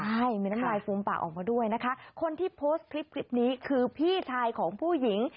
ใช่มีน้ำลายฟูมปากออกมาด้วยนะคะคนที่โพสต์คลิปคลิปนี้คือพี่ชายของผู้หญิง